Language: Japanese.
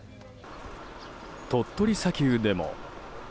鳥取砂丘でも。